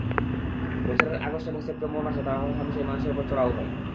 বছরের আগস্ট এবং সেপ্টেম্বর মাসে তারা হরহামেশাই মানুষের ওপর চড়াও হয়।